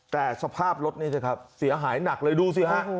แต่สภาพรถนี่สิครับเสียหายหนักเลยดูสิฮะ